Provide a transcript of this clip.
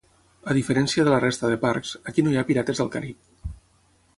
A diferència de la resta de parcs, aquí no hi ha Pirates del Carib.